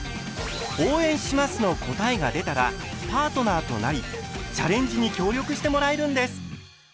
「応援します」の答えが出たらパートナーとなりチャレンジに協力してもらえるんです。